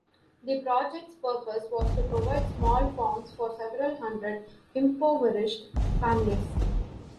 The project's purpose was to provide small farms for several hundred impoverished families.